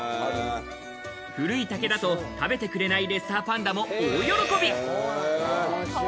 古い竹だと食べてくれないレッサーパンダも大喜び。